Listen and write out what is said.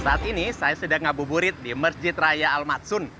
saat ini saya sedang ngabuburit di masjid raya al matsun